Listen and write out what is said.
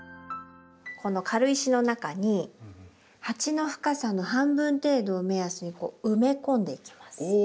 この軽石の中に鉢の深さの半分程度を目安にこう埋め込んでいきます。